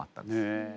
へえ。